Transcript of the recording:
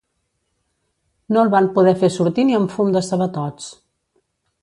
No el van poder fer sortir ni amb fum de sabatots.